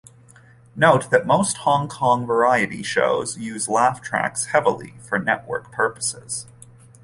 Note that most Hong Kong variety shows use laugh tracks heavily for network purposes.